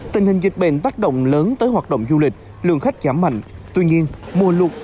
tình hình dịch bệnh tác động lớn tới hoạt động du lịch lượng khách giảm mạnh tuy nhiên mùa lụt